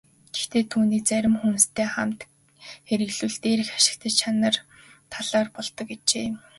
Гэхдээ түүнийг зарим хүнстэй хамт хэрэглэвэл дээрх ашигтай чанар талаар болдог ажээ.